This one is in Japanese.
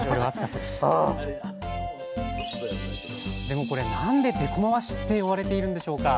でもこれなんで「でこまわし」って呼ばれているんでしょうか？